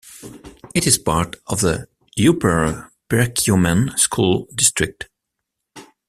It is part of the Upper Perkiomen School District.